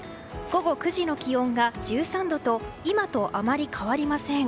午後９時の気温が１３度と今とあまり変わりません。